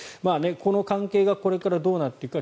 この関係がこれからどうなっていくか